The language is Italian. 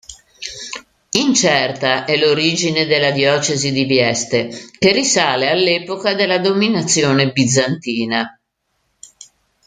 Incerta è l'origine della diocesi di Vieste, che risale all'epoca della dominazione bizantina.